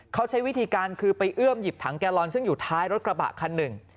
เขาใช้วิธีการคือไปเอื้อมหยิบถังแกลลอนซึ่งอยู่ท้ายรถกระบะคันหนึ่ง